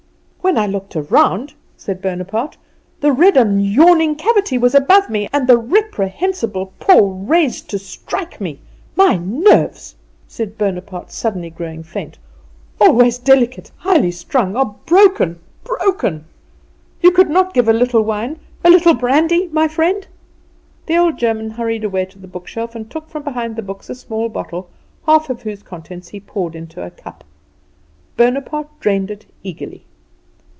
"When I looked round," said Bonaparte, "the red and yawning cavity was above me, and the reprehensible paw raised to strike me. My nerves," said Bonaparte, suddenly growing faint, "always delicate highly strung are broken broken! You could not give a little wine, a little brandy my friend?" The old German hurried away to the bookshelf, and took from behind the books a small bottle, half of whose contents he poured into a cup. Bonaparte drained it eagerly.